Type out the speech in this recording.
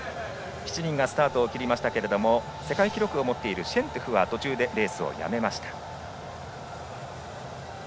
７人がスタートを切りましたが世界記録を持つシェントゥフは途中でレースをやめました。